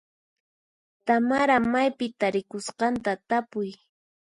Tamara maypi tarikusqanta tapuy.